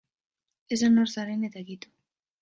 Esan nor zaren eta kito.